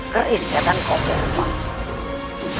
keris setan kobel